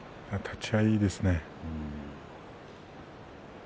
立ち合いですね。